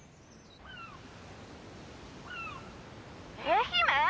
愛媛？